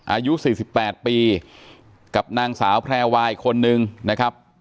อายุสี่สิบแปดปีกับนางสาวแพร่วายคนหนึ่งนะครับ